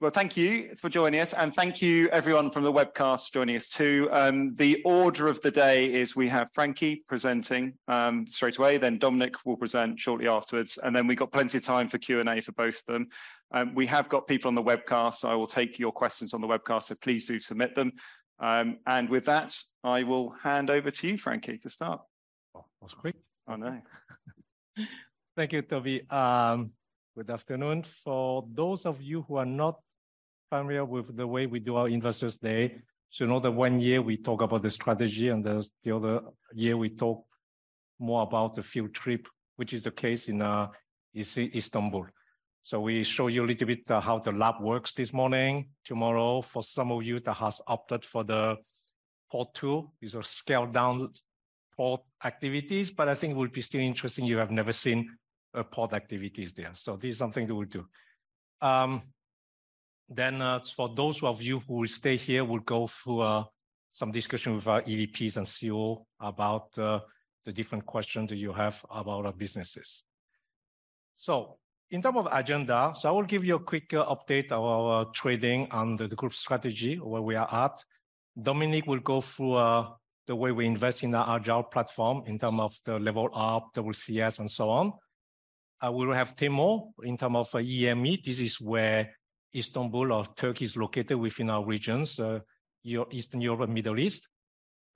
Well, thank you for joining us, and thank you everyone from the webcast joining us too. The order of the day is we have Frankie presenting straight away, then Dominik will present shortly afterwards. We got plenty of time for Q&A for both of them. We have got people on the webcast, so I will take your questions on the webcast, so please do submit them. With that, I will hand over to you, Frankie, to start. Oh, that was quick. I know. Thank you, Toby. Good afternoon. For those of you who are not familiar with the way we do our Investors Day, so know that one year we talk about the strategy, and then the other year we talk more about the field trip, which is the case in, you see, Istanbul. We show you a little bit how the lab works this morning. Tomorrow, for some of you that has opted for the port tour, these are scaled-down port activities, but I think it will be still interesting if you have never seen port activities there. This is something that we'll do. For those of you who will stay here, we'll go through some discussion with our EVPs and COO about the different questions that you have about our businesses. So in term of agenda, so I will give you a quick update of our trading and the group strategy, where we are at. Dominik will go through, uh, the way we invest in our agile platform in term of the level up, WCS, and so on. Uh, we'll have Teymur in term of EEME. This is where Istanbul or Turkey is located within our regions, uh, Eastern Europe, Middle East.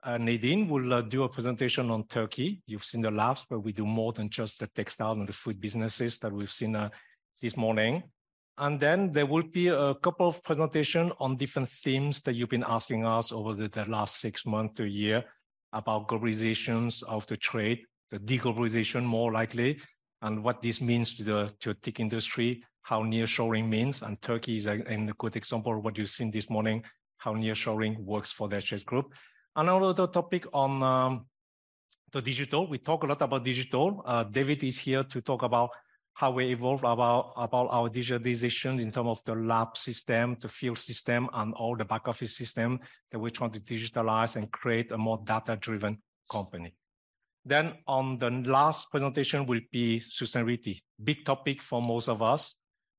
Uh, Nadin will, uh, do a presentation on Turkey. You've seen the labs, but we do more than just the textile and the food businesses that we've seen, uh, this morning. And then there will be a couple of presentation on different themes that you've been asking us over the last six months to a year about globalizations of the trade, the deglobalization more likely, and what this means to the, to tech industry, how nearshoring means. Turkey is a good example, what you've seen this morning, how nearshoring works for the SGS Group. Another topic on the digital. We talk a lot about digital. David is here to talk about how we evolve about our digitalization in term of the lab system, the field system, and all the back office system that we trying to digitalize and create a more data-driven company. On the last presentation will be sustainability. Big topic for most of us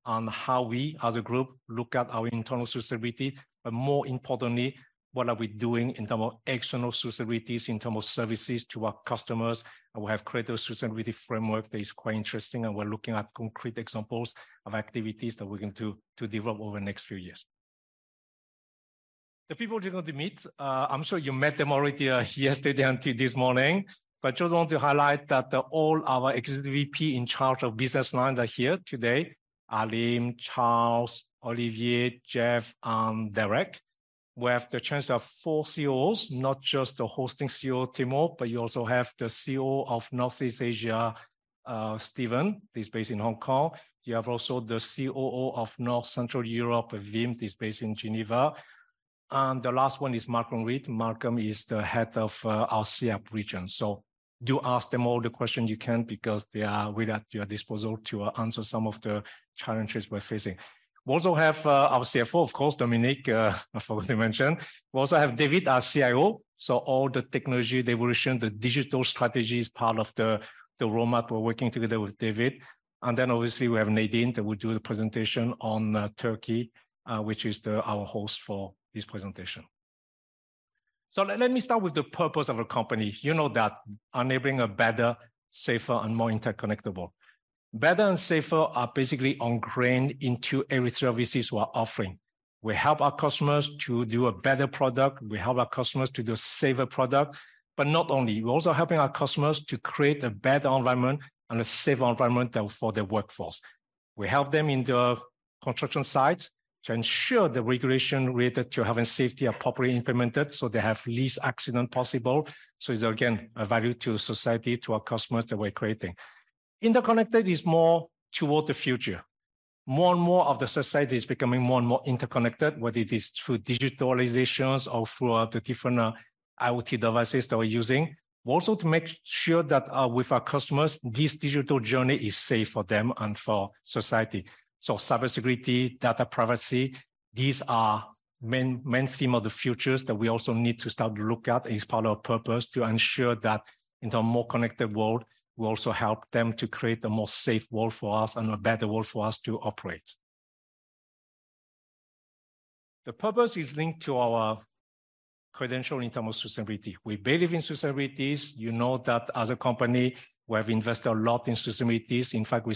on how we as a group look at our internal sustainability, but more importantly, what are we doing in term of external sustainability in term of services to our customers. We have created a sustainability framework that is quite interesting, and we're looking at concrete examples of activities that we're going to develop over the next few years. The people you're going to meet, uh, I'm sure you met them already, uh, yesterday and t- this morning. But just want to highlight that all our executive VP in charge of business lines are here today. Alim, Charles, Olivier, Jeff, and Derick. We have the chance to have four COOs, not just the hosting CEO, Teymur, but you also have the COO of Northeast Asia, uh, Steven. He's based in Hong Kong. You have also the COO of North Central Europe, Wim. He's based in Geneva. And the last one is Malcolm Reed. Malcolm is the head of, uh, our SEAP region. So do ask them all the questions you can because they are with, at your disposal to answer some of the challenges we're facing. We also have, uh, our CFO, of course, Dominik, uh, I forgot to mention. We also have David, our CIO, so all the technology evolution, the digital strategy is part of the roadmap. We're working together with David. Obviously we have Nadin that will do the presentation on Turkey, which is our host for this presentation. Let me start with the purpose of our company. You know that enabling a better, safer, and more interconnectable. Better and safer are basically ingrained into every services we are offering. We help our customers to do a better product. We help our customers to do a safer product. Not only, we're also helping our customers to create a better environment and a safe environment for their workforce. We help them in the construction sites to ensure the regulation related to health and safety are properly implemented, so they have least accident possible. It's again, a value to society, to our customers that we're creating. Interconnected is more toward the future. More and more of the society is becoming more and more interconnected, whether it is through digitalizations or through the different IoT devices that we're using. Also, to make sure that with our customers, this digital journey is safe for them and for society. Cybersecurity, data privacy, these are main theme of the futures that we also need to start to look at as part of our purpose to ensure that in a more connected world, we also help them to create a more safe world for us and a better world for us to operate. The purpose is linked to our credential in term of sustainability. We believe in sustainability. You know that as a company, we have invested a lot in sustainability. In fact,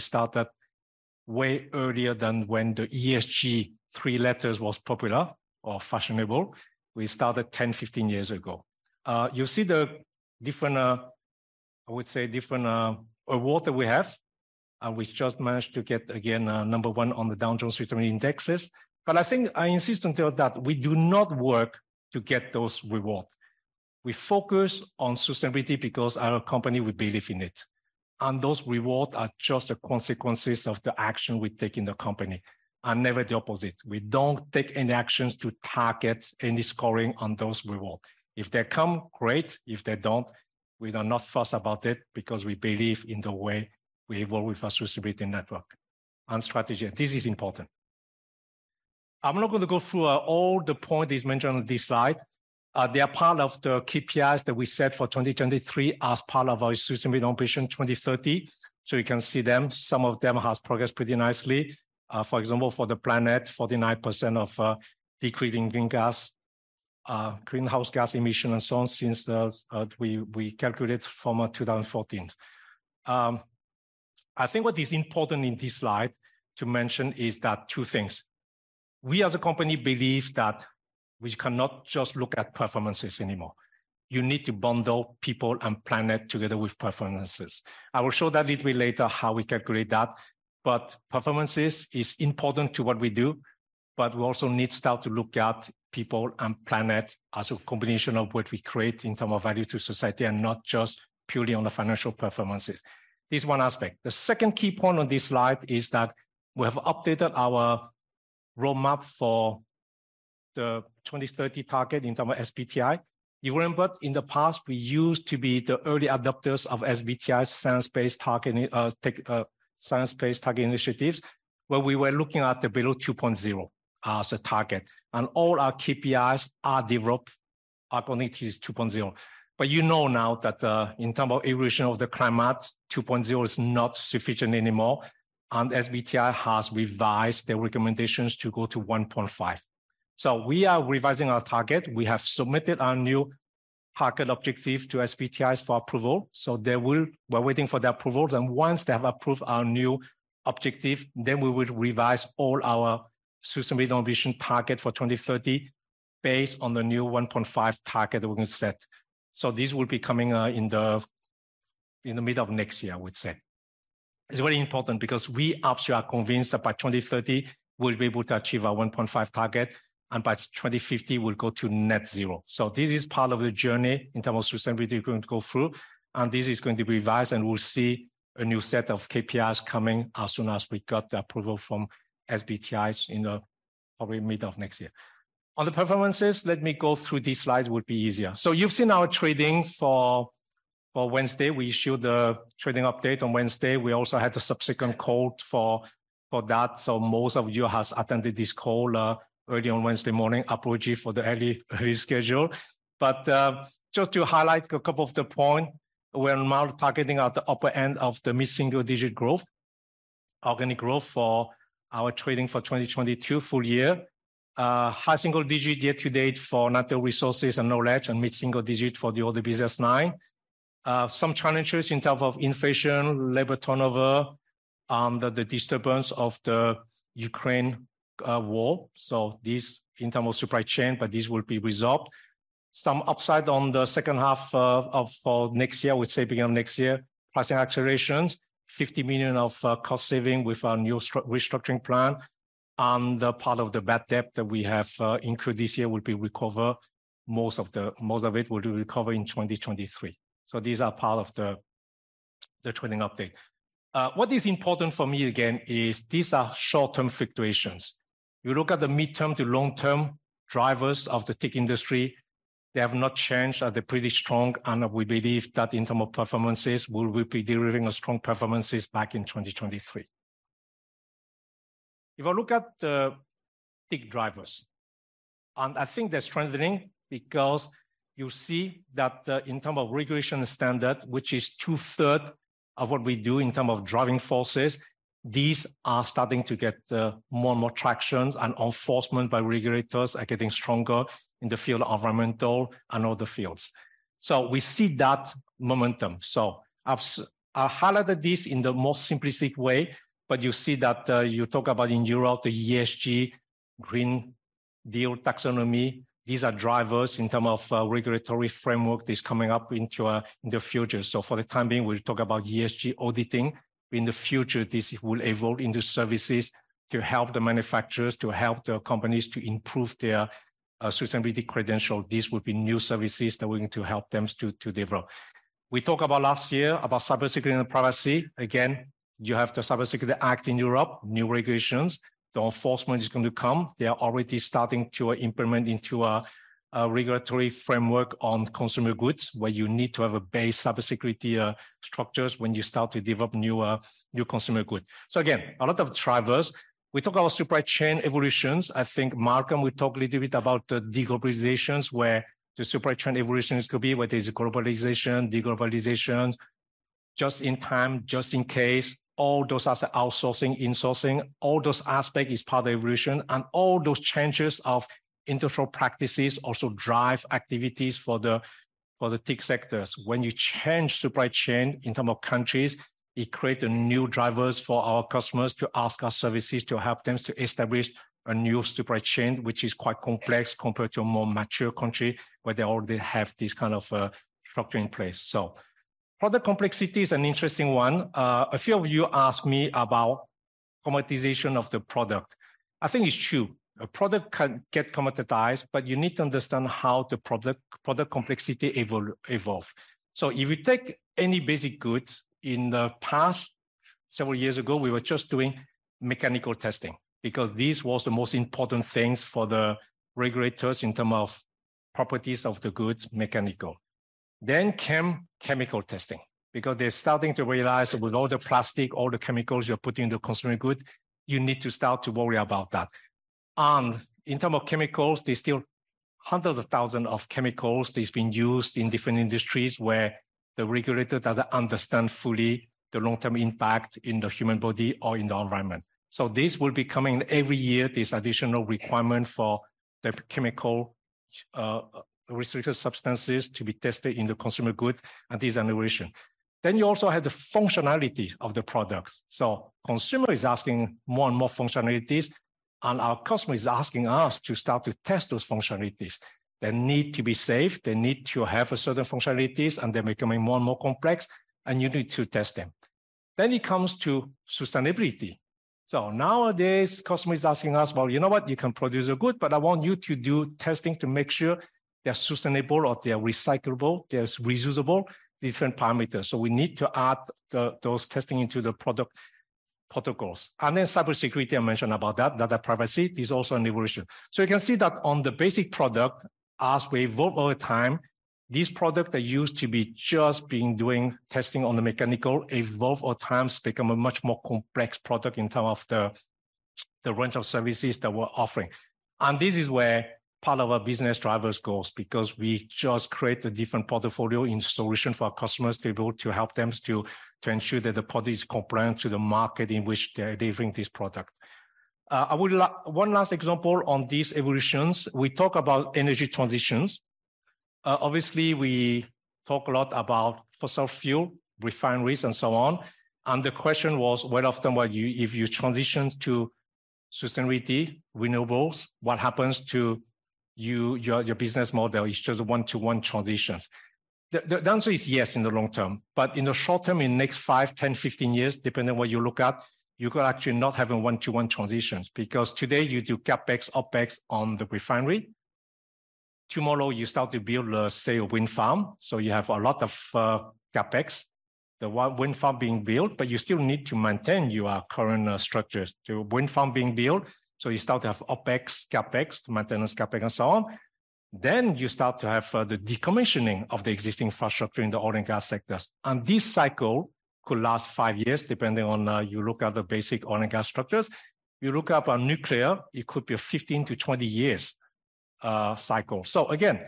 we started way earlier than when the ESG three letters was popular or fashionable. We started 10, 15 years ago. You see the different, I would say, award that we have. We just managed to get again, number one on the Dow Jones Sustainability Indices. I think, I insist until that we do not work to get those reward. We focus on sustainability because our company, we believe in it. Those reward are just the consequences of the action we take in the company, and never the opposite. We don't take any actions to target any scoring on those reward. If they come, great. If they don't, we are not fuss about it because we believe in the way we work with our sustainability network and strategy. This is important. I'm not gonna go through all the point that is mentioned on this slide. They are part of the KPIs that we set for 2023 as part of our Sustainability Ambitions 2030. You can see them. Some of them has progressed pretty nicely. For example, for the planet, 49% of decreasing greenhouse gas emission and so on since we calculate from 2014. I think what is important in this slide to mention is that two things. We as a company believe that we cannot just look at performances anymore. You need to bundle people and planet together with performances. I will show that little bit later how we calculate that. Performances is important to what we do, but we also need to start to look at people and planet as a combination of what we create in term of value to society and not just purely on the financial performances. This is one aspect. The second key point on this slide is that we have updated our roadmap for the 2030 target in term of SBTi. You remember, in the past, we used to be the early adopters of SBTi's science-based target initiatives, where we were looking at the below 2.0 as a target. All our KPIs are developed upon it is 2.0. You know now that, in term of evolution of the climate, 2.0 is not sufficient anymore, and SBTi has revised their recommendations to go to 1.5. We are revising our target. We have submitted our new target objective to SBTi for approval. We're waiting for the approval. Once they have approved our new objective, then we will revise all our sustainable ambition target for 2030 based on the new 1.5 target we're gonna set. This will be coming in the middle of next year, I would say. It's very important because we absolutely are convinced that by 2030, we'll be able to achieve our 1.5 target, and by 2050, we'll go to net zero. This is part of the journey in terms of sustainability we're going to go through, and this is going to be revised, and we'll see a new set of KPIs coming as soon as we got the approval from SBTi in the probably mid of next year. On the performances, let me go through these slides would be easier. You've seen our trading for Wednesday. We issued the trading update on Wednesday. We also had the subsequent call for that. Most of you has attended this call early on Wednesday morning. Apology for the early reschedule. Just to highlight a couple of the point, we're now targeting at the upper end of the mid-single-digit growth, organic growth for our trading for 2022 full year. High single-digit year-to-date for Natural Resources and Knowledge, and mid-single-digit for the other business line. Some challenges in term of inflation, labor turnover, the disturbance of the Ukraine war. This in term of supply chain, but this will be resolved. Some upside on the second half of next year, we say beginning of next year. Pricing accelerations, 50 million of cost saving with our new restructuring plan. The part of the bad debt that we have incurred this year will be recover. Most of it will recover in 2023. These are part of the trading update. What is important for me again is these are short-term fluctuations. You look at the midterm to long-term drivers of the TIC industry, they have not changed. They're pretty strong, and we believe that in term of performances, we will be delivering a strong performances back in 2023. If I look at the TIC drivers, and I think they're strengthening because you see that in term of regulation standard, which is 2/3 of what we do in term of driving forces, these are starting to get more and more tractions, and enforcement by regulators are getting stronger in the field of environmental and other fields. We see that momentum. I highlighted this in the most simplistic way, but you see that you talk about in Europe, the ESG, Green Deal Taxonomy. These are drivers in term of regulatory framework that's coming up in the future. For the time being, we'll talk about ESG auditing. In the future, this will evolve into services to help the manufacturers, to help the companies to improve their sustainability credential. These will be new services that we're going to help them to develop. We talked about last year about cybersecurity and privacy. Again, you have the Cybersecurity Act in Europe, new regulations. The enforcement is going to come. They are already starting to implement into a regulatory framework on consumer goods, where you need to have a base cybersecurity structures when you start to develop new consumer good. Again, a lot of drivers. We talk about supply chain evolutions. I think Malcolm will talk a little bit about the deglobalizations, where the supply chain evolutions could be, whether it's globalization, deglobalization, just in time, just in case, all those as outsourcing, insourcing. All those aspect is part of evolution. All those changes of industrial practices also drive activities for the TIC sectors. When you change supply chain in term of countries, it create a new drivers for our customers to ask our services to help them to establish a new supply chain, which is quite complex compared to a more mature country, where they already have this kind of structure in place. Product complexity is an interesting one. A few of you asked me about commoditization of the product. I think it's true. A product can get commoditized, but you need to understand how the product complexity evolve. So if you take any basic goods, in the past, several years ago, we were just doing mechanical testing because this was the most important things for the regulators in term of properties of the goods, mechanical. Then chem- chemical testing, because they're starting to realize that with all the plastic, all the chemicals you're putting into consumer good, you need to start to worry about that. And in term of chemicals, there's still hundreds of thousands of chemicals that's been used in different industries where the regulator doesn't understand fully the long-term impact in the human body or in the environment. So this will be coming every year, this additional requirement for the chemical, uh, restricted substances to be tested in the consumer goods and this evolution. Then you also have the functionality of the products. Consumer is asking more and more functionalities, and our customer is asking us to start to test those functionalities. They need to be safe, they need to have a certain functionalities, and they're becoming more and more complex, and you need to test them. It comes to sustainability. Nowadays, customer is asking us, "Well, you know what? You can produce a good, but I want you to do testing to make sure they're sustainable or they're recyclable, they're reusable," different parameters. We need to add those testing into the product protocols. Cybersecurity, I mentioned about that, data privacy is also an evolution. You can see that on the basic product, as we evolve over time, these products that used to be just been doing testing on the mechanical evolve over time to become a much more complex product in term of the range of services that we're offering. This is where part of our business drivers goes, because we just create a different portfolio in solution for our customers to be able to help them to ensure that the product is compliant to the market in which they're delivering this product. One last example on these evolutions, we talk about energy transitions. Obviously, we talk a lot about fossil fuel, refineries and so on, and the question was very often, well, if you transition to sustainability, renewables, what happens to your business model? It's just one-to-one transitions. The, the answer is yes in the long term. But in the short term, in next five, 10, 15 years, depending what you look at, you could actually not have a one-to-one transitions, because today you do CapEx, OpEx on the refinery. Tomorrow, you start to build a, say, a wind farm, so you have a lot of, uh, CapEx, the wind farm being built, but you still need to maintain your current structures. The wind farm being built, so you start to have OpEx, CapEx, maintenance CapEx and so on. Then you start to have, uh, the decommissioning of the existing infrastructure in the oil and gas sectors. And this cycle could last five years, depending on, uh, you look at the basic oil and gas structures. You look up on nuclear, it could be a 15-20 years, uh, cycle. Again,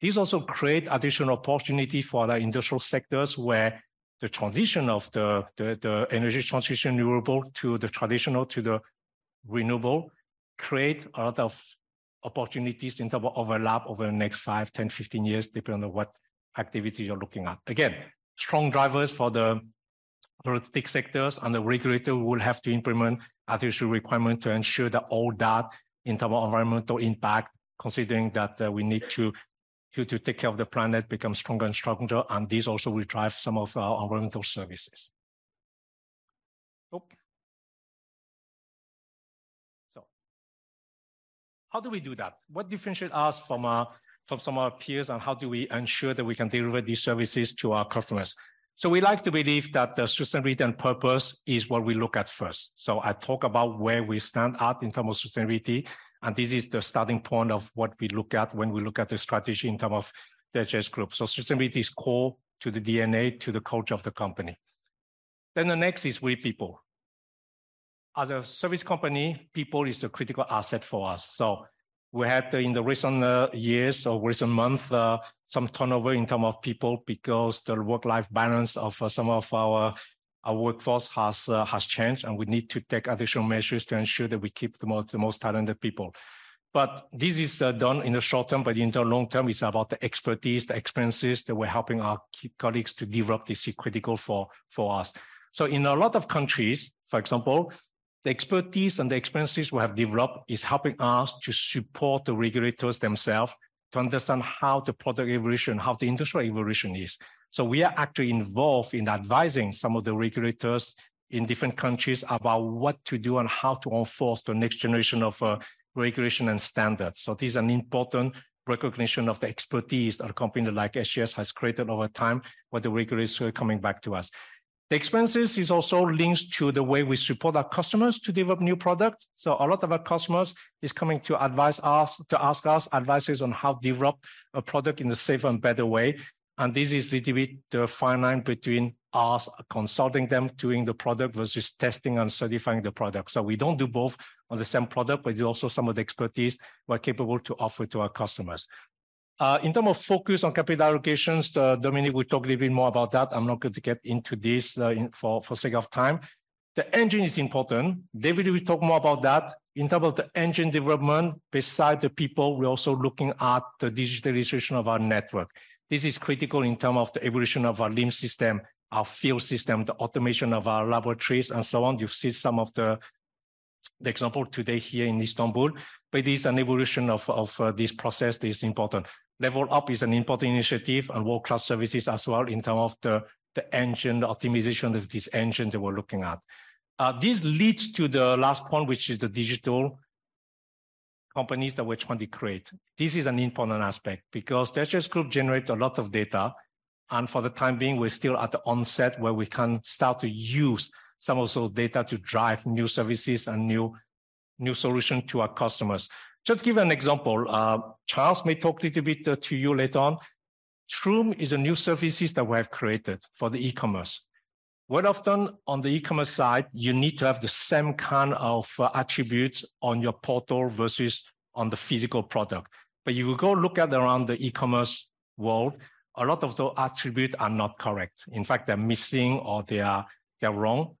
this also create additional opportunity for the industrial sectors where the energy transition renewable to the traditional to the renewable create a lot of opportunities in term of overlap over the next five, 10, 15 years, depending on what activities you're looking at. Again, strong drivers for the product sectors and the regulator will have to implement additional requirement to ensure that all that in term of environmental impact, considering that we need to take care of the planet, become stronger and stronger, and this also will drive some of our environmental services. Oh. How do we do that? What differentiate us from some of our peers, and how do we ensure that we can deliver these services to our customers? We like to believe that the sustainability and purpose is what we look at first. I talk about where we stand at in term of sustainability, and this is the starting point of what we look at when we look at the strategy in term of the SGS Group. Sustainability is core to the DNA, to the culture of the company. The next is we people. As a service company, people is the critical asset for us. We had, in the recent years or recent month, some turnover in term of people because the work-life balance of some of our workforce has changed, and we need to take additional measures to ensure that we keep the most talented people. This is done in the short term, but in the long term, it's about the expertise, the experiences that we're helping our colleagues to develop is critical for us. In a lot of countries, for example, the expertise and the experiences we have developed is helping us to support the regulators themselves to understand how the product evolution, how the industry evolution is. We are actually involved in advising some of the regulators in different countries about what to do and how to enforce the next generation of regulation and standards. This is an important recognition of the expertise a company like SGS has created over time, where the regulators are coming back to us. The experiences is also linked to the way we support our customers to develop new products. A lot of our customers is coming to advise us, to ask us advices on how develop a product in a safe and better way, and this is little bit the fine line between us consulting them, doing the product versus testing and certifying the product. We don't do both on the same product, but it's also some of the expertise we're capable to offer to our customers. In term of focus on capital allocations, Dominik will talk a little bit more about that. I'm not going to get into this for sake of time. The engine is important. David will talk more about that. In term of the engine development, beside the people, we're also looking at the digitalization of our network. This is critical in term of the evolution of our LIMSystem, our field system, the automation of our laboratories, and so on. You've seen some of the example today here in Istanbul, but it's an evolution of this process that is important. Level Up is an important initiative and World Class Services as well in term of the engine, the optimization of this engine that we're looking at. This leads to the last point, which is the digital companies that we're trying to create. This is an important aspect because SGS Group generate a lot of data, and for the time being, we're still at the onset where we can start to use some of those data to drive new services and new solution to our customers. Just give an example. Charles may talk a little bit to you later on. Truum is a new services that we have created for the e-commerce. Well, often on the e-commerce side, you need to have the same kind of attributes on your portal versus on the physical product. You will go look at around the e-commerce world, a lot of the attribute are not correct. In fact, they're missing or they're wrong.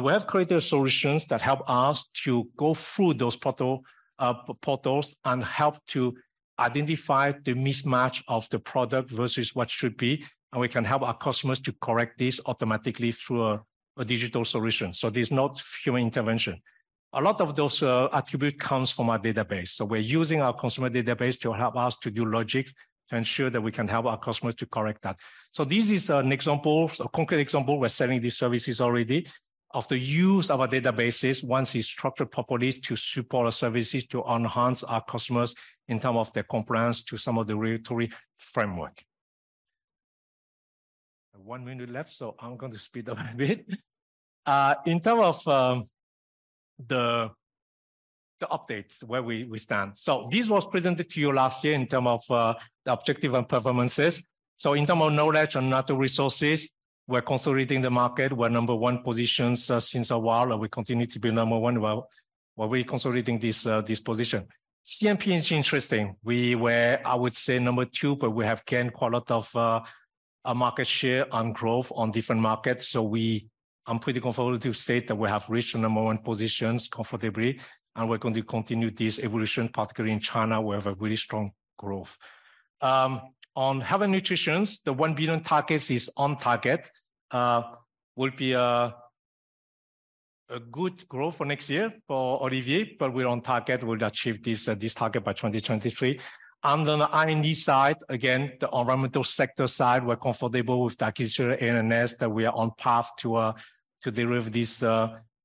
We have created solutions that help us to go through those portals and help to identify the mismatch of the product versus what should be, and we can help our customers to correct this automatically through a digital solution. There's not human intervention. A lot of those attribute comes from our database. We're using our customer database to help us to do logic to ensure that we can help our customers to correct that. This is an example, a concrete example, we're selling these services already, of the use of our databases once it's structured properly to support our services to enhance our customers in term of their compliance to some of the regulatory framework. One minute left, so I'm going to speed up a bit. In term of the updates where we stand, this was presented to you last year in term of the objective and performances. In term of Knowledge and Natural Resources, we're consolidating the market. We're number one positions since a while, and we continue to be number one while we're consolidating this position. C&P is interesting. We were, I would say number two, but we have gained quite a lot of market share and growth on different markets. I'm pretty confident to state that we have reached the number one positions comfortably, and we're going to continue this evolution, particularly in China, where we have a really strong growth. On Health & Nutrition, the 1 billion targets is on target. Will be a good growth for next year for Olivier, but we're on target. We'll achieve this target by 2023. On the R&D side, again, the environmental sector side, we're comfortable with the acquisition of AIEX that we are on path to derive this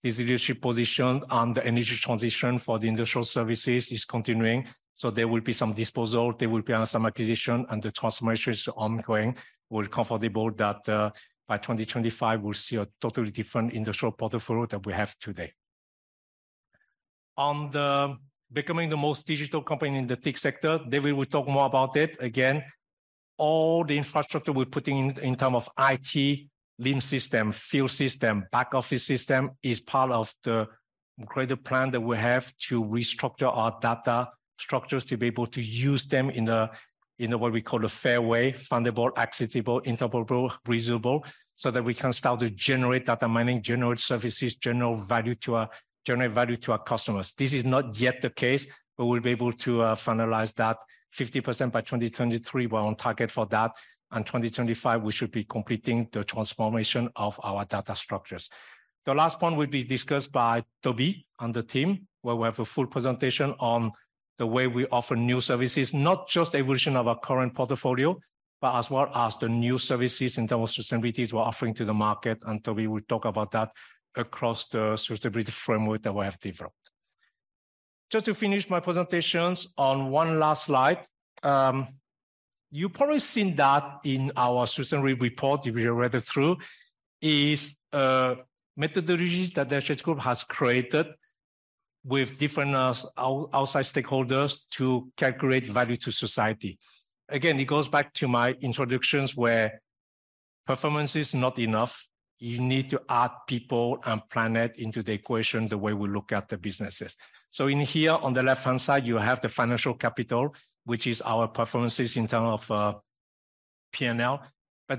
leadership position. The energy transition for the industrial services is continuing, so there will be some disposal, there will be some acquisition, and the transformation is ongoing. We're comfortable that by 2025, we'll see a totally different industrial portfolio than we have today. On the becoming the most digital company in the TIC sector, David will talk more about it. Again, all the infrastructure we're putting in term of IT, lean system, field system, back office system, is part of the greater plan that we have to restructure our data structures to be able to use them in a FAIR way, Findable, Accessible, Interoperable, Reusable, so that we can start to generate data mining, generate services, generate value to our customers. This is not yet the case, but we'll be able to finalize that 50% by 2023. We're on target for that. 2025, we should be completing the transformation of our data structures. The last point will be discussed by Toby and the team, where we have a full presentation on the way we offer new services, not just evolution of our current portfolio, but as well as the new services in terms of sustainability we're offering to the market. Toby will talk about that across the sustainability framework that we have developed. Just to finish my presentations on one last slide. You probably seen that in our sustainability report, if you read it through. Methodologies that the [Danone Group] has created with different outside stakeholders to calculate value to society. Again, it goes back to my introductions where performance is not enough. You need to add people and planet into the equation, the way we look at the businesses. In here on the left-hand side, you have the financial capital, which is our performances in term of P&L.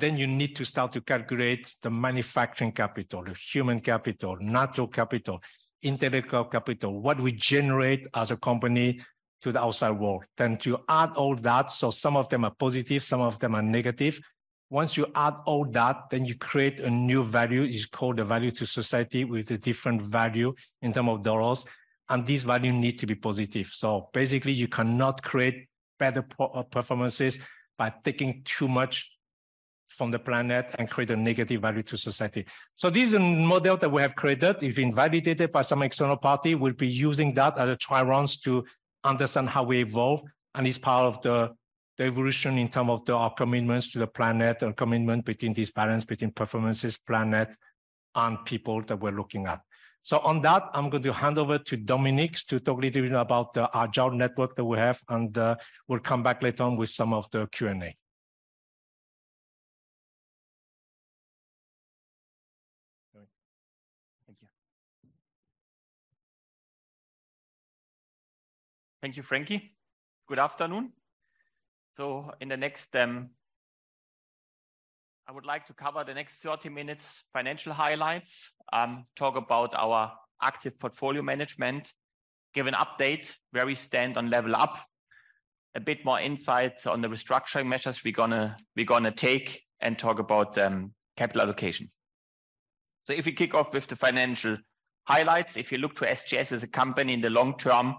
You need to start to calculate the manufacturing capital, the human capital, natural capital, intellectual capital, what we generate as a company to the outside world. To add all that, so some of them are positive, some of them are negative. Once you add all that, then you create a new value. It's called the value to society with a different value in term of dollars. This value need to be positive. Basically, you cannot create better performances by taking too much from the planet and create a negative value to society. This is a model that we have created. It's been validated by some external party. We'll be using that as a trial runs to understand how we evolve. It's part of the evolution in term of our commitments to the planet and commitment between these balance, between performances, planet and people that we're looking at. On that, I'm going to hand over to Dominik to talk a little bit about our lab network that we have, and we'll come back later on with some of the Q&A. Thank you. Thank you, Frankie. Good afternoon. I would like to cover the next 30 minutes financial highlights, talk about our active portfolio management, give an update where we stand on Level Up, a bit more insight on the restructuring measures we're gonna take, and talk about capital allocation. If we kick off with the financial highlights, if you look to SGS as a company in the long term,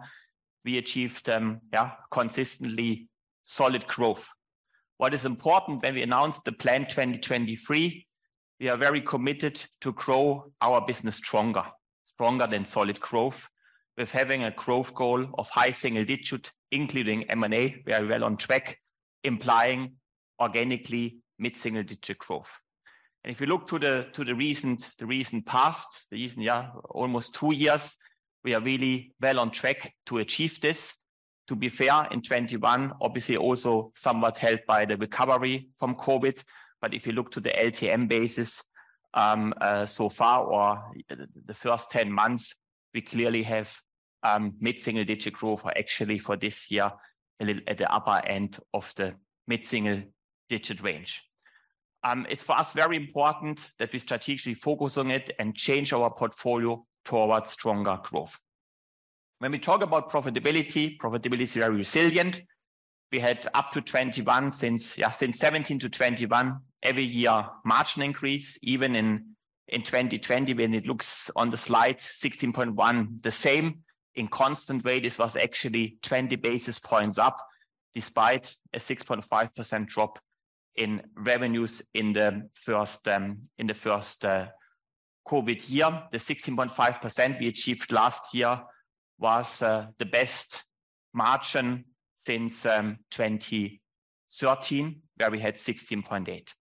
we achieved, yeah, consistently solid growth. What is important when we announced the Plan 2023, we are very committed to grow our business stronger. Stronger than solid growth. With having a growth goal of high single digits, including M&A, we are well on track, implying organically mid-single digit growth. If you look to the recent past, yeah, almost two years, we are really well on track to achieve this. To be fair, in 2021, obviously also somewhat helped by the recovery from COVID, but if you look to the LTM basis so far or the first 10 months, we clearly have mid-single digit growth or actually for this year a little at the upper end of the mid-single digit range. It's for us very important that we strategically focus on it and change our portfolio towards stronger growth. When we talk about profitability is very resilient. We had up to 2021, since 2017-2021, every year margin increase even in 2020 when it looks on the slides 16.1%. The same in constant rate. This was actually 20 basis points up despite a 6.5% drop in revenues in the first COVID year. The 16.5% we achieved last year was the best margin since 2013, where we had 16.8%.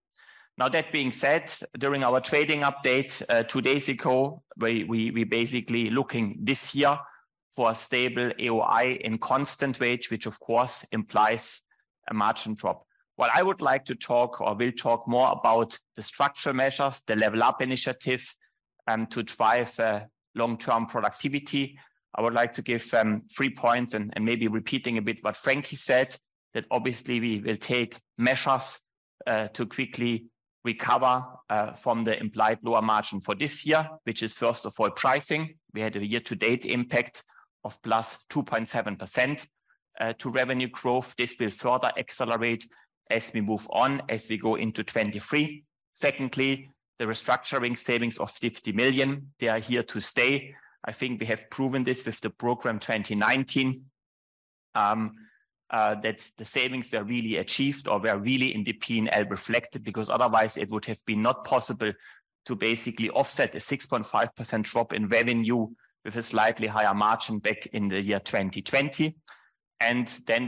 Now that being said, during our trading update two days ago, we basically looking this year for a stable AOI in constant rate, which of course implies a margin drop. What I would like to talk or will talk more about the structural measures, the Level Up initiatives to drive long-term productivity. I would like to give three points and maybe repeating a bit what Frankie said, that obviously we will take measures to quickly recover from the implied lower margin for this year, which is first of all pricing. We had a year-to-date impact of +2.7% to revenue growth. This will further accelerate as we move on, as we go into 2023. Secondly, the restructuring savings of 50 million, they are here to stay. I think we have proven this with Program 2019 that the savings were really achieved or were really in the P&L reflected because otherwise it would have been not possible to basically offset a 6.5% drop in revenue with a slightly higher margin back in the year 2020.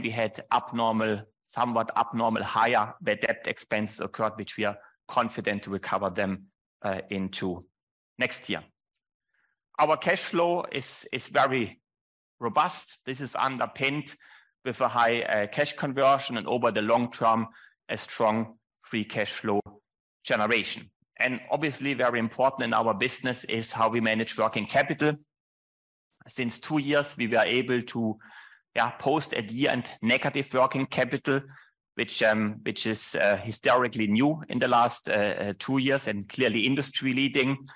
We had somewhat abnormal higher bad debt expense occurred, which we are confident to recover them into next year. Our cash flow is very robust. This is underpinned with a high cash conversion and over the long term, a strong free cash flow generation. Obviously, very important in our business is how we manage working capital. Since two years we were able to, yeah, post a year-end negative working capital, which is historically new in the last two years and clearly industry leading.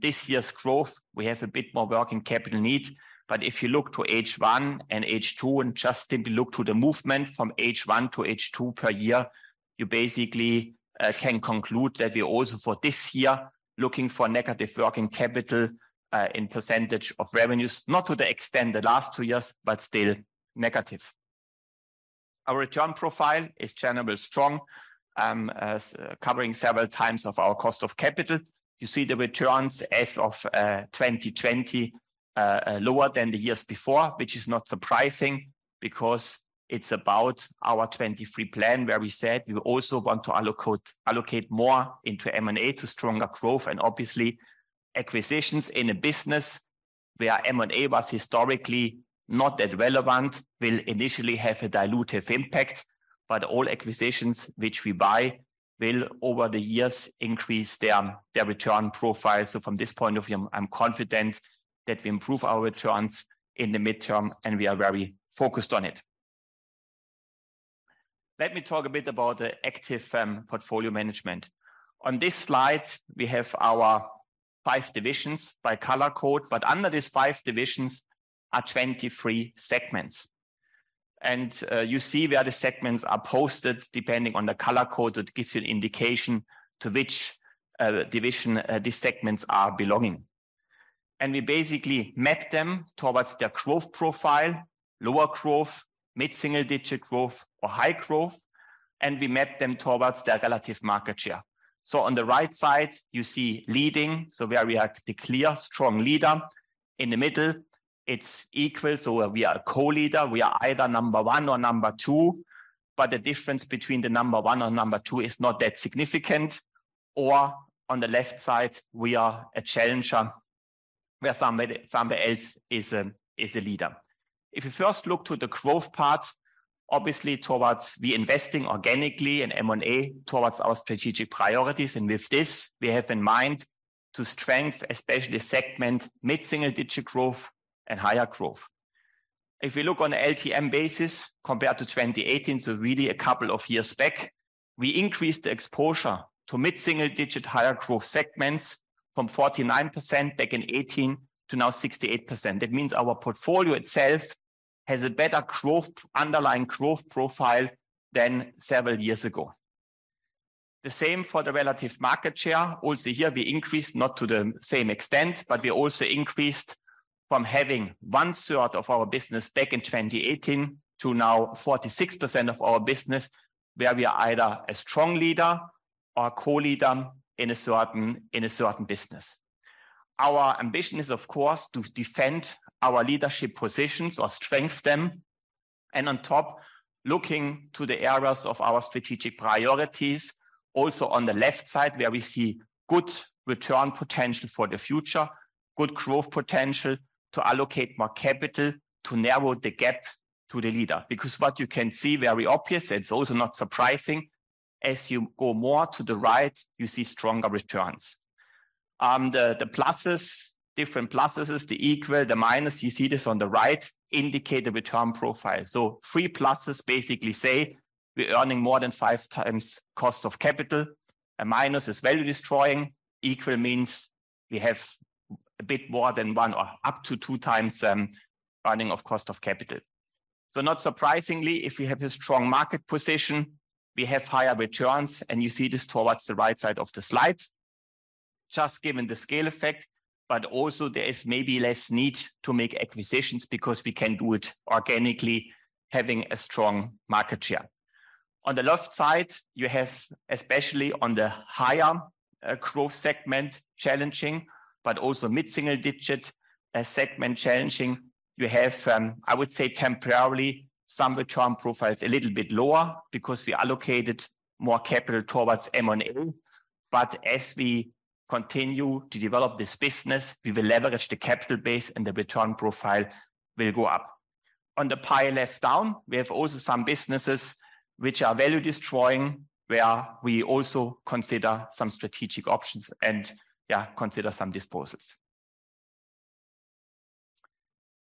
This year's growth, we have a bit more working capital need, but if you look to H1 and H2 and just simply look to the movement from H1 to H2 per year, you basically can conclude that we also for this year looking for negative working capital in percentage of revenues. Not to the extent the last two years, but still negative. Our return profile is generally strong as covering several times of our cost of capital. You see the returns as of 2020 lower than the years before, which is not surprising because it's about our 2023 plan where we said we also want to allocate more into M&A to stronger growth and obviously acquisitions in a business where M&A was historically not that relevant will initially have a dilutive impact. All acquisitions which we buy will over the years increase their return profile. From this point of view, I'm confident that we improve our returns in the midterm and we are very focused on it. Let me talk a bit about the active portfolio management. On this slide we have our five divisions by color code, but under these five divisions are 23 segments. You see where the segments are posted depending on the color code that gives you an indication to which division these segments are belonging. We basically map them towards their growth profile, lower growth, mid-single-digit growth or high growth, and we map them towards their relative market share. On the right side you see leading, where we are the clear strong leader. In the middle it's equal, so where we are co-leader. We are either number one or number two, but the difference between the number one and number two is not that significant. On the left side we are a challenger where somebody else is a leader. If you first look to the growth part, obviously towards we investing organically in M&A towards our strategic priorities. With this we have in mind to strengthen, especially segment mid-single-digit growth and higher growth. If we look on LTM basis compared to 2018, so really a couple of years back, we increased the exposure to mid-single-digit higher-growth segments from 49% back in 2018 to now 68%. That means our portfolio itself has a better growth, underlying growth profile than several years ago. The same for the relative market share. Also here we increased, not to the same extent, but we also increased from having 1/3 of our business back in 2018 to now 46% of our business where we are either a strong leader or a co-leader in a certain business. Our ambition is, of course, to defend our leadership positions or strengthen them. On top, looking to the areas of our strategic priorities also on the left side, where we see good return potential for the future, good growth potential to allocate more capital to narrow the gap to the leader. Because what you can see very obvious, it's also not surprising, as you go more to the right, you see stronger returns. The pluses, different pluses, the equal, the minus, you see this on the right, indicate the return profile. Three pluses basically say we're earning more than five times cost of capital. A minus is value destroying. Equal means we have a bit more than one or up to two times earning of cost of capital. Not surprisingly, if we have a strong market position, we have higher returns, and you see this towards the right side of the slide. Just given the scale effect, but also there is maybe less need to make acquisitions because we can do it organically, having a strong market share. On the left side, you have, especially on the higher growth segment, challenging, but also mid-single-digit segment challenging. You have, I would say, temporarily some return profiles a little bit lower because we allocated more capital towards M&A. As we continue to develop this business, we will leverage the capital base, and the return profile will go up. On the far left down, we have also some businesses which are value-destroying, where we also consider some strategic options and, yeah, consider some disposals.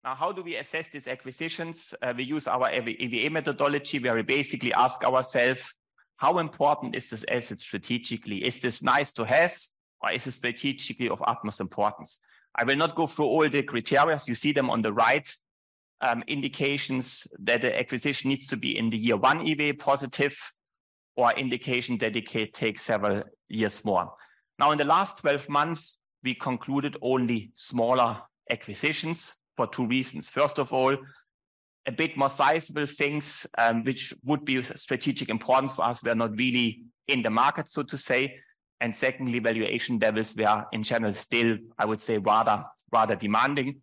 Now, how do we assess these acquisitions? We use our EVA methodology, where we basically ask ourself how important is this asset strategically. Is this nice to have or is this strategically of utmost importance? I will not go through all the criterias. You see them on the right. Indications that the acquisition needs to be in the year one EBA positive or indication that it take several years more. Now, in the last 12 months, we concluded only smaller acquisitions for two reasons. First of all, a bit more sizable things which would be of strategic importance for us were not really in the market, so to say. Secondly, valuation levels were in general still, I would say, rather demanding.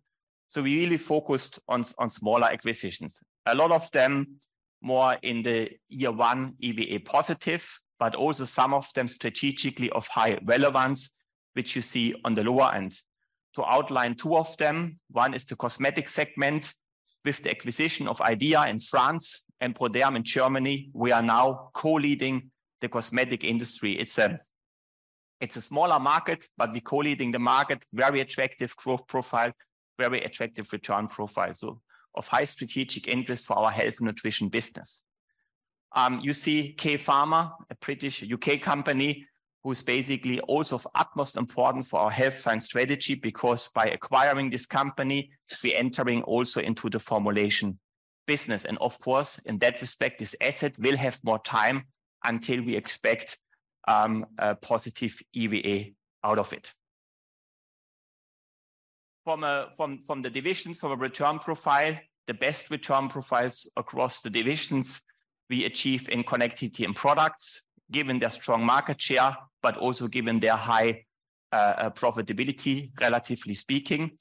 We really focused on smaller acquisitions. A lot of them more in the year one EBA positive, but also some of them strategically of high relevance, which you see on the lower end. To outline two of them, one is the cosmetic segment. With the acquisition of IDEA in France and proderm in Germany, we are now co-leading the cosmetic industry. It's a smaller market, but we co-leading the market. Very attractive growth profile, very attractive return profile. Of high strategic interest for our Health & Nutrition business. You see Quay Pharma, a British U.K. company, who's basically also of utmost importance for our health science strategy, because by acquiring this company, we entering also into the formulation business. Of course, in that respect, this asset will have more time until we expect a positive EVA out of it. From the divisions, from a return profile, the best return profiles across the divisions we achieve in Connectivity & Products, given their strong market share, but also given their high profitability, relatively speaking.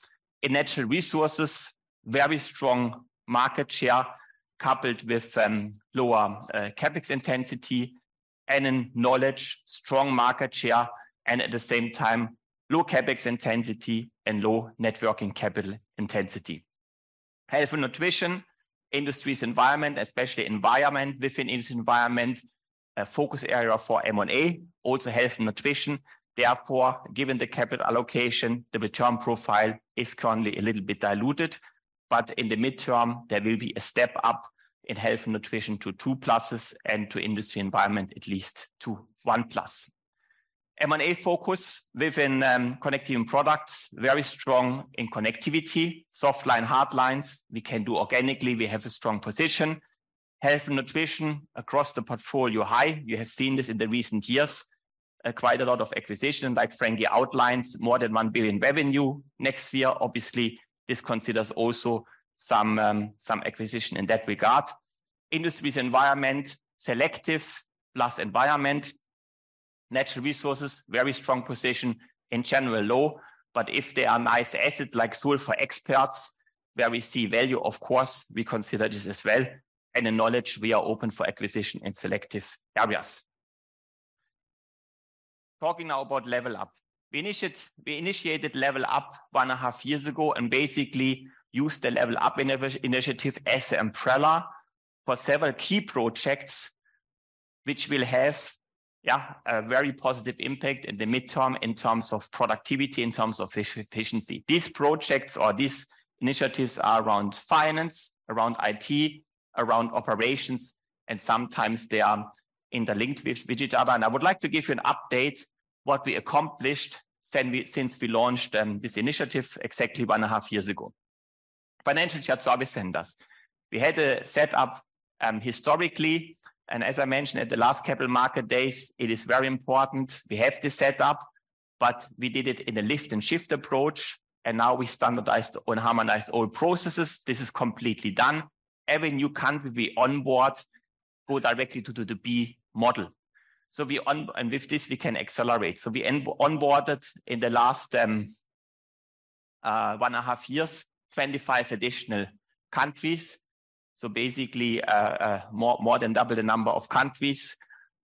In Natural Resources, very strong market share coupled with lower CapEx intensity. In Knowledge, strong market share and at the same time low CapEx intensity and low net working capital intensity. Health & Nutrition, Industries & Environment, especially Environment within Industries & Environment, a focus area for M&A. Also Health & Nutrition. Therefore, given the capital allocation, the return profile is currently a little bit diluted. In the midterm, there will be a step up in Health & Nutrition to two plusses and to Industries & Environment, at least to one plus. M&A focus within Connectivity & Products, very strong in connectivity. Softlines, Hardlines, we can do organically. We have a strong position. Health & Nutrition across the portfolio high. You have seen this in the recent years. Quite a lot of acquisition, like Frankie outlines, more than 1 billion revenue next year. Obviously, this considers also some acquisition in that regard. Industries & Environment, selective plus Environment. Natural Resources, very strong position in general, though. If they are nice asset like Sulphur Experts, where we see value, of course, we consider this as well. In Knowledge, we are open for acquisition in selective areas. Talking now about Level Up. We initiated Level Up one and a half years ago and basically used the Level Up initiative as umbrella for several key projects which will have, yeah, a very positive impact in the midterm in terms of productivity, in terms of efficiency. These projects or these initiatives are around finance, around IT, around operations, and sometimes they are interlinked with digital. I would like to give you an update what we accomplished since we launched this initiative exactly one and a half years ago. Financial shared service centers. We had a set up historically, and as I mentioned at the last Capital Market Days, it is very important we have this set up. We did it in a lift and shift approach, and now we standardized and harmonized all processes. This is completely done. Every new country we onboard go directly to the B model. With this we can accelerate. We onboarded in the last 1.5 years 25 additional countries, so basically more than double the number of countries.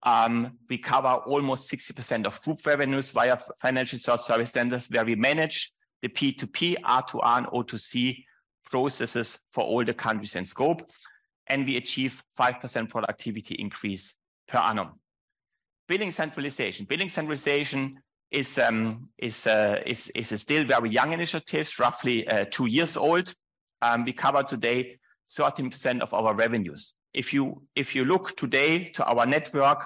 We cover almost 60% of group revenues via financial shared service centers where we manage the P2P, R2R, and O2C processes for all the countries in scope, and we achieve 5% productivity increase per annum. Billing centralization. Billing centralization is a still very young initiative, roughly two years old. We cover today 30% of our revenues. If you look today to our network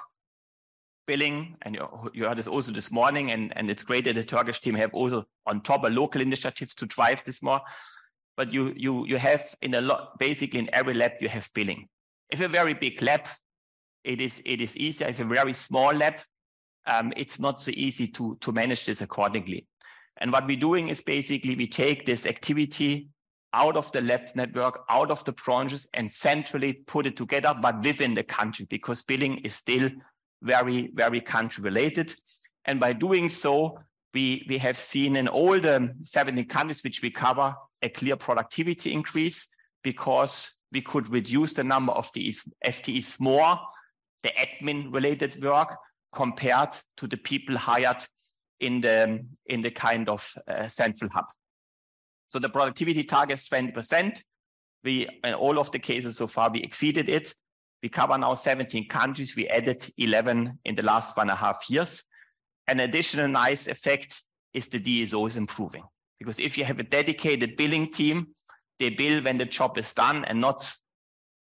billing, and you heard this also this morning and it's great that the Turkish team have also on top of local initiatives to drive this more. You have basically in every lab you have billing. If a very big lab, it is easy. If a very small lab, it's not so easy to manage this accordingly. What we're doing is basically we take this activity out of the lab network, out of the branches, and centrally put it together, but within the country, because billing is still very country-related. By doing so, we have seen in all the 17 countries which we cover a clear productivity increase because we could reduce the number of these FTEs more, the admin related work, compared to the people hired in the kind of central hub. The productivity target is 20%. In all of the cases so far, we exceeded it. We cover now 17 countries. We added 11 in the last one and a half years. An additional nice effect is the DSO is improving because if you have a dedicated billing team, they bill when the job is done and not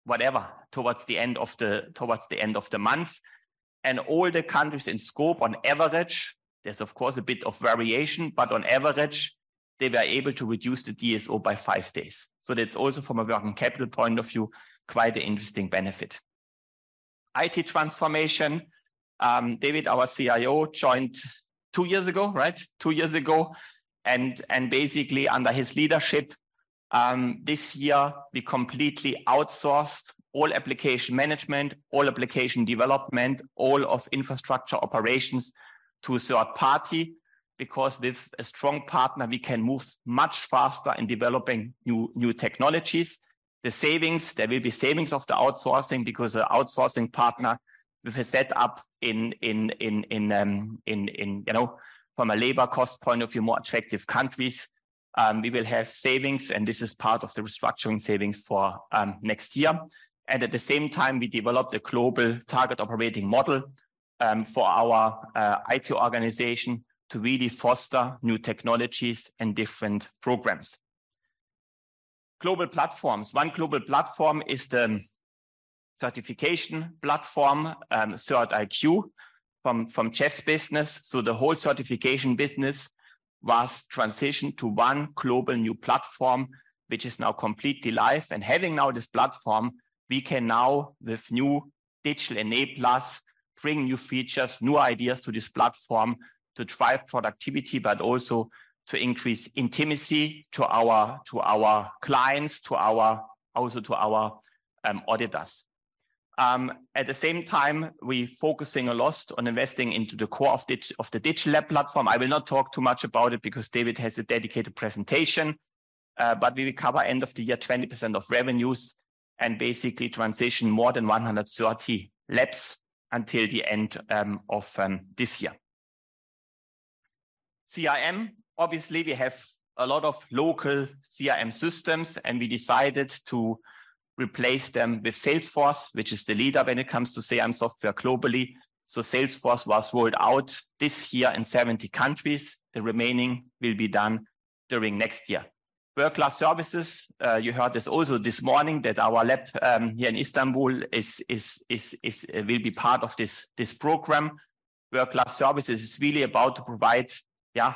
whatever towards the end of the month. All the countries in scope on average, there's of course a bit of variation, but on average, they were able to reduce the DSO by five days. That's also from a working capital point of view, quite an interesting benefit. IT transformation. David, our CIO, joined two years ago, right? Two years ago. Basically under his leadership, this year we completely outsourced all application management, all application development, all of infrastructure operations to third party, because with a strong partner we can move much faster in developing new technologies. The savings, there will be savings of the outsourcing because the outsourcing partner with a set up in, you know, from a labor cost point of view, more attractive countries, we will have savings and this is part of the restructuring savings for next year. At the same time, we developed a global target operating model for our IT organization to really foster new technologies and different programs. Global platforms. One global platform is the certification platform, CERTIQ from Certification business. The whole certification business was transitioned to one global new platform, which is now completely live. Having now this platform, we can now with new digital enablers, bring new features, new ideas to this platform to drive productivity, but also to increase intimacy to our clients, also to our auditors. At the same time, we focusing a lot on investing into the core of the Digital Lab platform. I will not talk too much about it because David has a dedicated presentation, but we will cover end of the year 20% of revenues and basically transition more than 130 labs until the end of this year. CRM, obviously we have a lot of local CRM systems, and we decided to replace them with Salesforce, which is the leader when it comes to CRM software globally. Salesforce was rolled out this year in 70 countries. The remaining will be done during next year. World Class Services, you heard this also this morning that our lab here in Istanbul will be part of this program. World Class Services is really about to provide, yeah,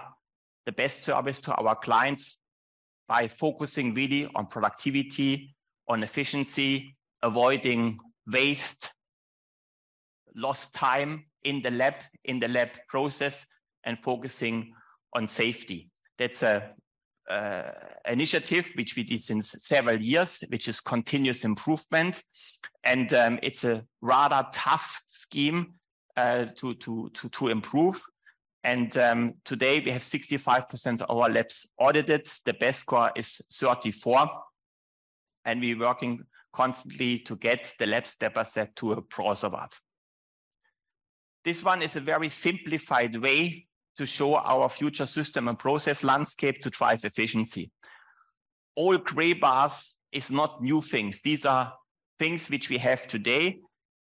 the best service to our clients by focusing really on productivity, on efficiency, avoiding waste, lost time in the lab process, and focusing on safety. That's an initiative which we did since several years, which is continuous improvement. It's a rather tough scheme to improve. Today we have 65% of our labs audited. The best score is 34, and we're working constantly to get the labs step by step to a process award. This one is a very simplified way to show our future system and process landscape to drive efficiency. All gray bars is not new things. These are things which we have today,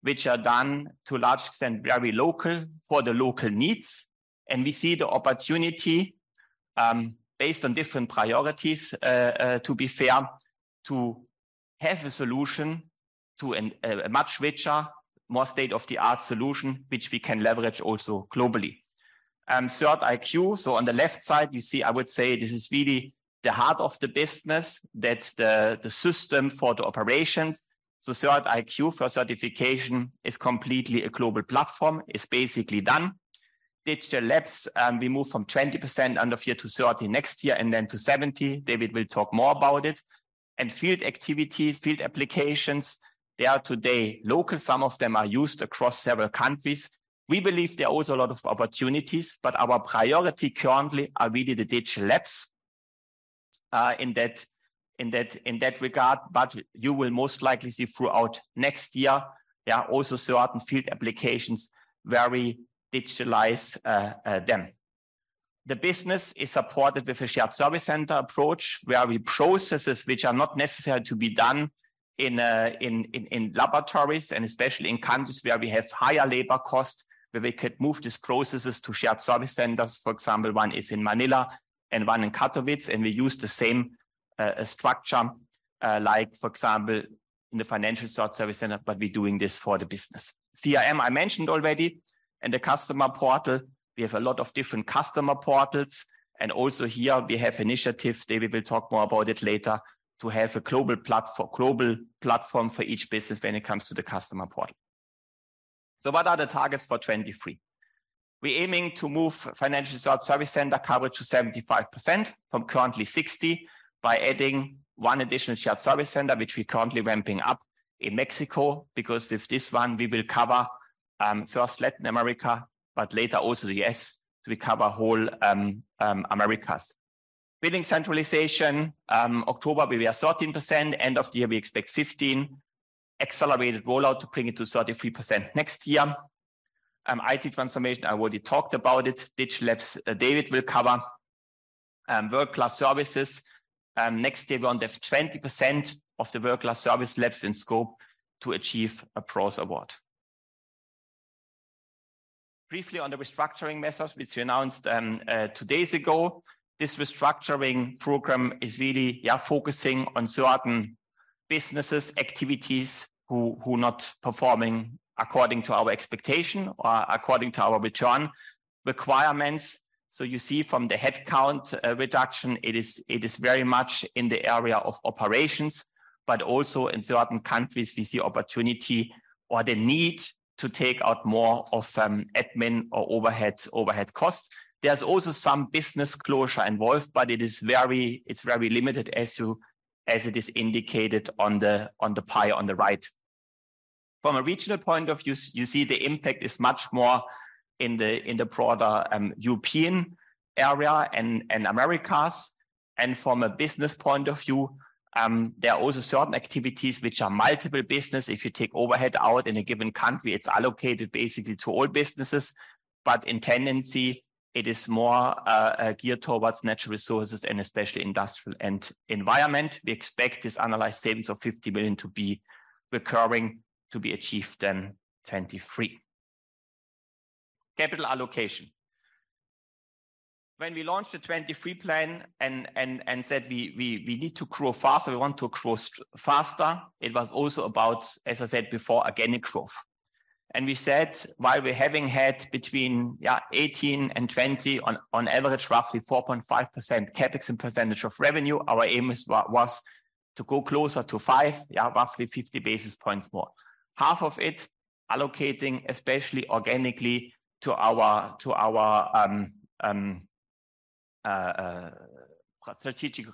which are done to a large extent, very local for the local needs. We see the opportunity, based on different priorities, to be fair, to have a solution to a much richer, more state-of-the-art solution which we can leverage also globally. CERTIQ, so on the left side, you see, I would say this is really the heart of the business. That's the system for the operations. CERTIQ for Certification is completely a global platform. It's basically done. Digital Labs, we move from 20% end of year to 30% next year, and then to 70%. David will talk more about it. Field activities, field applications, they are today local. Some of them are used across several countries. We believe there are also a lot of opportunities, but our priority currently are really the Digital Labs in that regard. You will most likely see throughout next year, there are also certain field applications where we digitalize them. The business is supported with a shared service center approach, where we processes which are not necessary to be done in laboratories, and especially in countries where we have higher labor costs, where we could move these processes to shared service centers. For example, one is in Manila and one in Katowice, and we use the same structure like, for example, in the financial service center, but we're doing this for the business. CRM, I mentioned already, and the customer portal. We have a lot of different customer portals, and also here we have initiatives, David will talk more about it later, to have a global platform for each business when it comes to the customer portal. What are the targets for 2023? We're aiming to move financial service center coverage to 75% from currently 60%, by adding one additional shared service center, which we're currently ramping up in Mexico, because with this one we will cover first Latin America, but later also the U.S. to cover whole Americas. Billing centralization, October we are 13%, end of the year we expect 15%. Accelerated rollout to bring it to 33% next year. IT transformation, I already talked about it. Digital labs, David will cover. World Class Services, next year we want to have 20% of the World Class Services labs in scope to achieve a Bronze award. Briefly on the restructuring measures which we announced two days ago. This restructuring program is really, yeah, focusing on certain businesses, activities who not performing according to our expectation or according to our return requirements. You see from the headcount reduction, it is very much in the area of operations, but also in certain countries we see opportunity or the need to take out more of admin or overhead costs. There's also some business closure involved, but it's very limited as it is indicated on the pie on the right. From a regional point of view, you see the impact is much more in the broader European area and Americas. From a business point of view, there are also certain activities which are multiple business. If you take overhead out in a given country, it's allocated basically to all businesses. In tendency, it is more geared towards Natural Resources and especially Industries & Environment. We expect this annualized savings of 50 million to be recurring to be achieved in 2023. Capital allocation. When we launched the Plan 2023 and said we need to grow faster, we want to grow faster, it was also about, as I said before, organic growth. We said, while we had between, yeah, 2018 and 2020 on average, roughly 4.5% CapEx and percentage of revenue, our aim was to go closer to 5%, yeah, roughly 50 basis points more. Half of it allocating especially organically to our strategic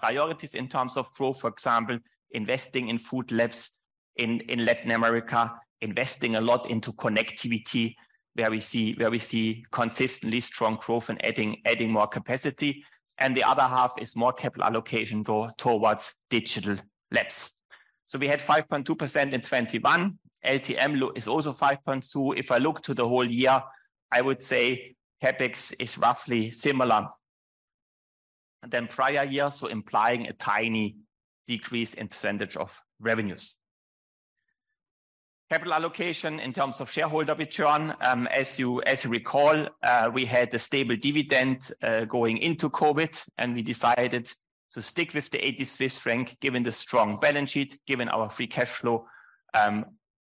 priorities in terms of growth. For example, investing in food labs in Latin America, investing a lot into connectivity where we see consistently strong growth and adding more capacity. The other half is more capital allocation towards digital labs. We had 5.2% in 2021. LTM is also 5.2%. If I look to the whole year, I would say CapEx is roughly similar than prior years, so implying a tiny decrease in percentage of revenues. Capital allocation in terms of shareholder return. As you recall, we had a stable dividend going into COVID, and we decided to stick with the 80 Swiss franc, given the strong balance sheet, given our free cash flow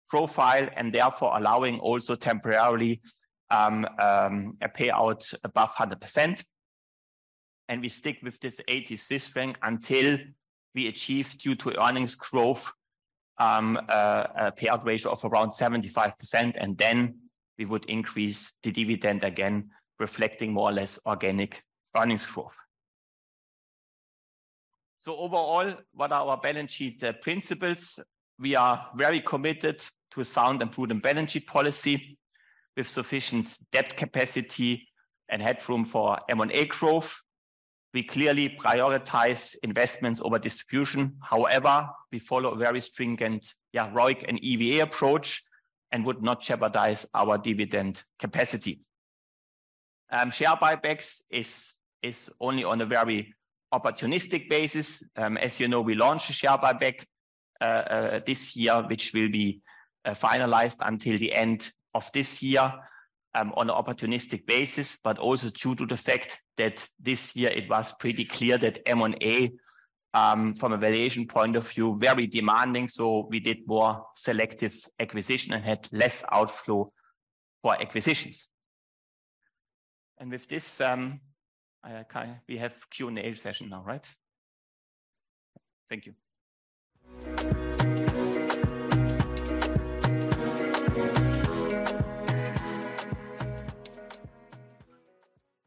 profile, and therefore allowing also temporarily a payout above 100%. We stick with this 80 Swiss franc until we achieve due to earnings growth a payout ratio of around 75%, and then we would increase the dividend again, reflecting more or less organic earnings growth. Overall, what are our balance sheet principles? We are very committed to sound and prudent balance sheet policy with sufficient debt capacity and headroom for M&A growth. We clearly prioritize investments over distribution. However, we follow a very stringent, yeah, ROIC and EVA approach and would not jeopardize our dividend capacity. Share buybacks is only on a very opportunistic basis. As you know, we launched a share buyback this year, which will be finalized until the end of this year on an opportunistic basis, but also due to the fact that this year it was pretty clear that M&A from a valuation point of view, very demanding. We did more selective acquisition and had less outflow for acquisitions. With this, Kai, we have Q&A session now, right? Thank you.